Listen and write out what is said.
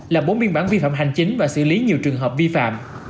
lập bốn biên bản vi phạm hành chính và xử lý nhiều trường hợp vi phạm